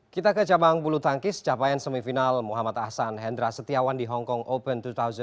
kita ke cabang bulu tangkis capaian semifinal muhammad ahsan hendra setiawan di hongkong open dua ribu delapan belas